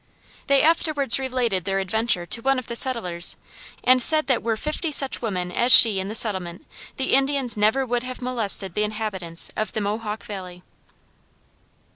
They afterwards related their adventure to one of the settlers, and said that were fifty such women as she in the settlement, the Indians never would have molested the inhabitants of the Mohawk Valley.